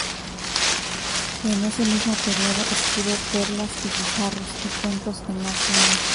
En ese mismo periodo escribe"Perlas y guijarros" y "Cuentos en la cuna".